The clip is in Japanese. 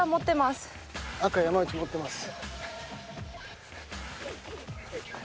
赤山内持ってます。